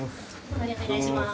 隣でお願いします。